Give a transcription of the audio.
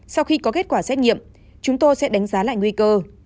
sau khi có kết quả xét nghiệm chúng tôi sẽ đánh giá lại nguy cơ